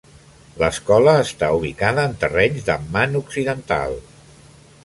L'escola està ubicada en terrenys d'Amman Occidental.